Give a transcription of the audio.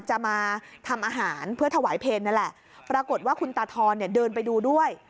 จะมาทำอาหารเพื่อถวายเพลงนั่นแหละปรากฏว่าคุณตาทอนเนี่ยเดินไปดูด้วย